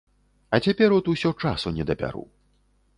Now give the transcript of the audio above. А цяпер от усё часу не дабяру.